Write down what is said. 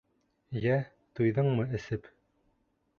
Йә, туйҙыңмы эсеп?